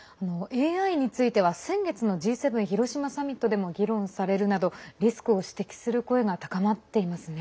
ＡＩについては先月のＧ７広島サミットでも議論されるなどリスクを指摘する声が高まっていますね。